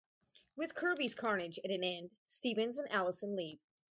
With Kirby's carnage at an end, Stevens and Alison leave.